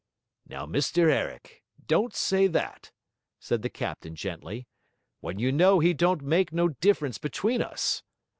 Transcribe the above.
'Now, Mr Herrick, don't say that,' said the captain gently; 'when you know he don't make no difference between us.